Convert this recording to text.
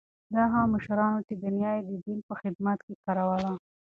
دا هغه مشران وو چې دنیا یې د دین په خدمت کې کاروله.